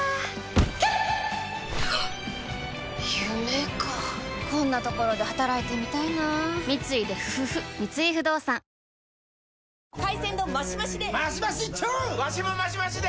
夢かこんなところで働いてみたいな三井不動産海鮮丼マシマシで！